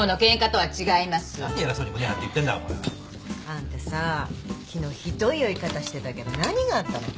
あんたさ昨日ひどい酔い方してたけど何があったの？